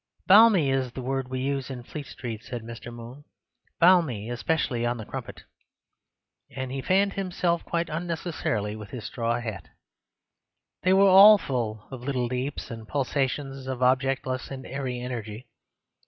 "Balmy is the word we use in Fleet Street," said Mr. Moon. "Balmy—especially on the crumpet." And he fanned himself quite unnecessarily with his straw hat. They were all full of little leaps and pulsations of objectless and airy energy.